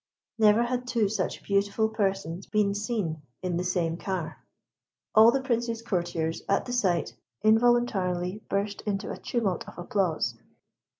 Never had two such beautiful persons been seen in the same car. All the Prince's courtiers at the sight involuntarily burst into a tumult of applause.